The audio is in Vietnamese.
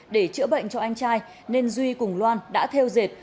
để chữa bệnh cho anh trai nên duy cùng loan đã theo dệt